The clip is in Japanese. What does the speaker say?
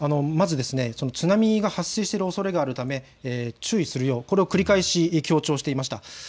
まず津波が発生しているおそれがあるため注意するよう、これを繰り返し強調していました。